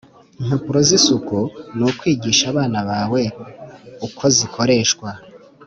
Impapuro z’ isuku nukwigisha abana bawe ukozikoreshwa